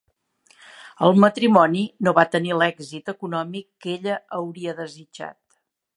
El matrimoni no va tenir l'èxit econòmic que ella hauria desitjat.